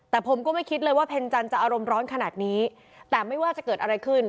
แต่ผมก็ไม่คิดเลยว่าเพ็ญจันทร์จะอารมณ์ร้อนขนาดนี้แต่ไม่ว่าจะเกิดอะไรขึ้น